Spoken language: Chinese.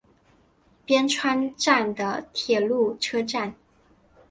边川站的铁路车站。